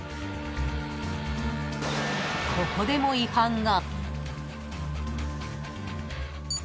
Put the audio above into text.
［ここでも違反が］